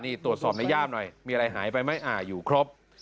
นี่ตรวจสอบในย่ามหน่อยมีอะไรหายไปไหมอ่าอยู่ครบ